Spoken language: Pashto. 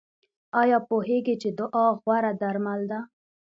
ایا پوهیږئ چې دعا غوره درمل ده؟